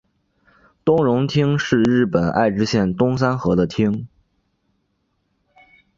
东荣町是日本爱知县东三河的町。